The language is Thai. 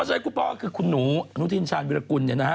วัสดีครับคุณพ่อคือคุณหนูหนูที่ชาญวิรกุลเนี่ยนะฮะ